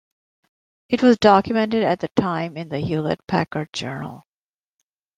This was documented at the time in the Hewlett-Packard Journal.